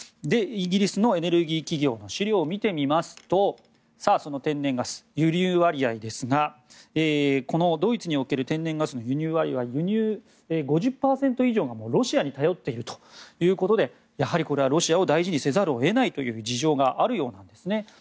イギリスのエネルギー企業の資料によりますとその天然ガスの輸入割合ですがこのドイツにおける天然ガスの輸入割合は５０％以上がロシアに頼っているということでやはりこれは、ロシアを大事にせざるを得ないという事情があるようなんですね。